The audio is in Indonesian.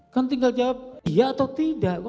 kan tinggal jawab iya atau tidak